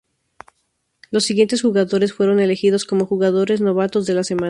Los siguientes jugadores fueron elegidos como jugadores novatos de la semana.